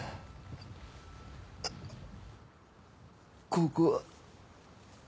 ここは。